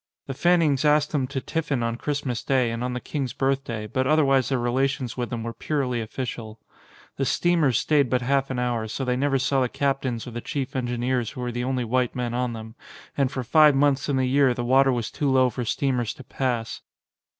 The Fannings asked them to tiffin on Christmas day and on the King's Birthday; but otherwise their relations with them were purely official. The steamers stayed but half an hour, so they never saw the captains or the chief engineers who were the only white men on them, and for five months in the year the water was too low for steamers to pass.